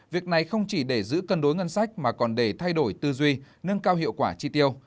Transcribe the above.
việc này không chỉ để giữ cân đối ngân sách mà còn để thay đổi tư duy nâng cao hiệu quả chi tiêu